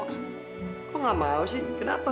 aku gak mau sih kenapa